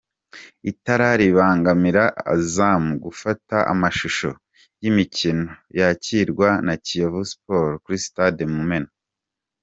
Itara ribangamira Azam gufata amashusho y'imikino yakirwa na Kiyovu Sport kuri sitade Mumena.